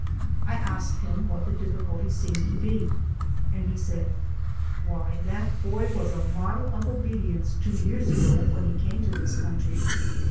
I asked him what the difficulty seemed to be, and he said, "Why, that boy was a model of obedience two years ago when he came to this country.